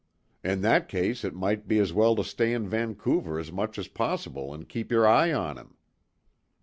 "In that case it might be as well to stay in Vancouver as much as possible and keep your eye on him."